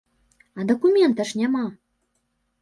А дакумента ж няма!